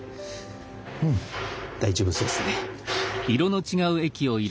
うん大丈夫そうですね。